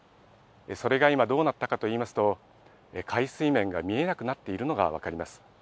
それが今、どうなったかといいますと、海水面が見えなくなっているのが分かります。